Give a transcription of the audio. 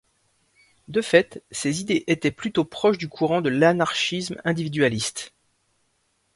De fait, ses idées étaient plutôt proches du courant de l'anarchisme individualiste.